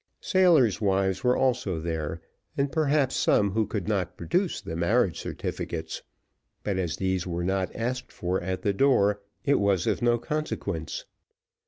Sailors' wives were also there, and perhaps some who could not produce the marriage certificates; but as these were not asked for at the door, it was of no consequence.